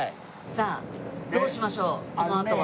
さあどうしましょうこのあとは。